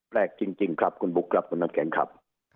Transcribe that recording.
แปลกจริงครับคุณบุ๊คครับคุณน้ำแข็งครับ